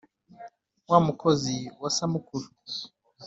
Wa Mukozi wa Samukuru